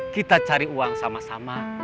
kita cari uang sama sama